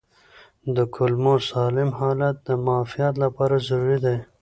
د کولمو سالم حالت د معافیت لپاره ضروري دی.